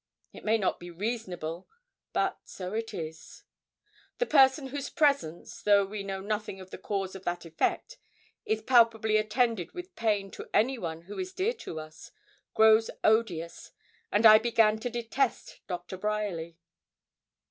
It may not be reasonable, but so it is. The person whose presence, though we know nothing of the cause of that effect, is palpably attended with pain to anyone who is dear to us, grows odious, and I began to detest Doctor Bryerly.